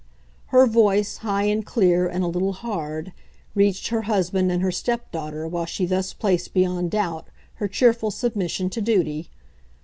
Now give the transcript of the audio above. Her voice, high and clear and a little hard, reached her husband and her step daughter while she thus placed beyond doubt her cheerful submission to duty.